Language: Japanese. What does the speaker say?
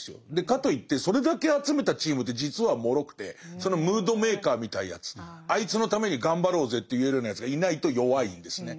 かといってそれだけ集めたチームって実はもろくてそのムードメーカーみたいなやつあいつのために頑張ろうぜって言えるようなやつがいないと弱いんですね。